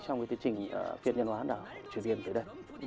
trong cái tiến trình phiền nhân hóa nào truyền viên tới đây